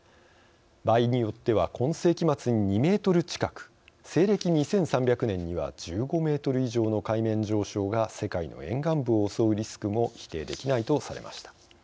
場合によっては今世紀末に２ｍ近く西暦２３００年には１５ｍ以上の海面上昇が世界の沿岸部を襲うリスクも否定できないとされました。